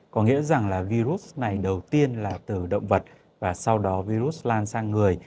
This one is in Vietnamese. có nghĩa rằng là virus này đầu tiên là từ động vật và sau đó virus lan sang người